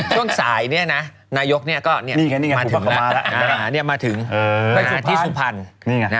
ช่วงสายนายกมาถึงที่สุพรรณ